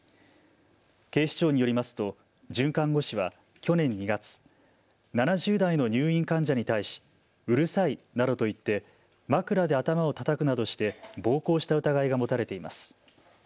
警視庁によりますと准看護師は去年２月、７０代の入院患者に対しうるさいなどと言って枕で頭をたたくなどして暴行した疑いが持たれています。